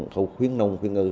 khâu khuyến nông khuyến ngư